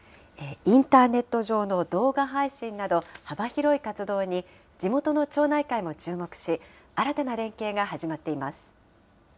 インターネット上の動画配信など、幅広い活動に、地元の町内会も注目し、新たな連携が始まっています。